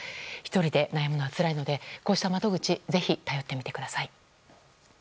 １人で悩むのはつらいのでこうした窓口ぜひ、頼ってみてください。